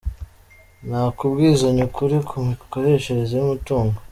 Nta kubwizanya ukuri ku mikoreshereze y’umutungo.